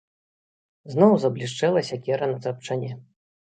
Зноў заблішчэла сякера на тапчане.